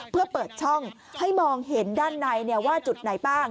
เพื่อเปิดช่องให้มองเห็นด้านในว่าจุดไหนบ้าง